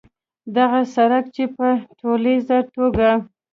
دغه سړک چې په ټولیزه توګه